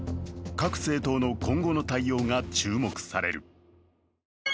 各政党の今後の対応が注目される。